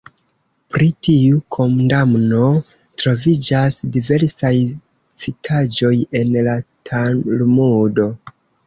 Pri tiu kondamno troviĝas diversaj citaĵoj en la Talmudo.